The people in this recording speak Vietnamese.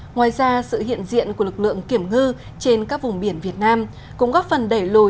ngoài ra sự hiện diện của lực lượng kiểm ngư trên các vùng biển việt nam cũng góp phần đẩy lùi